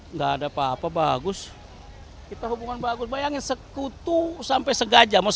nggak ada apa apa bagus kita hubungan bagus bayangin sekutu sampai segaja